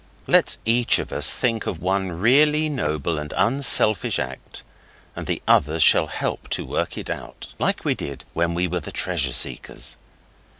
Let's each of us think of one really noble and unselfish act, and the others shall help to work it out, like we did when we were Treasure Seekers.